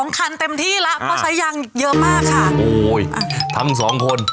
๑๒คันเต็มที่แล้วก็ใช้อย่างเยอะมากค่ะโอ้ย